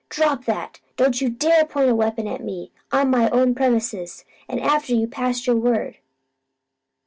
"Drop that! Don't you dare point a weapon at me; on my own premises, an' after you passed your word.